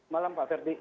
malam pak freddy